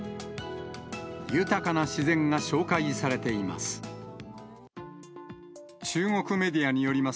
豊かな自然が紹介されています。